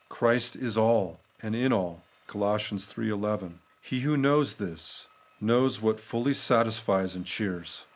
' Christ is all and in aU ' (Col. iii. 1 1). He who knows this, knows what fully satisfies and cheers.